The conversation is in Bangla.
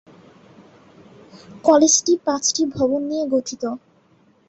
কলেজটি পাঁচটি ভবন নিয়ে গঠিত।